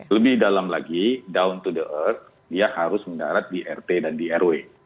lebih dalam lagi down to the earth dia harus mendarat di rt dan di rw